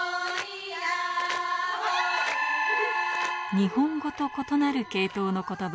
日本語と異なる系統の言葉